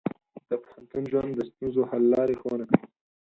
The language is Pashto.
د پوهنتون ژوند د ستونزو حل لارې ښوونه کوي.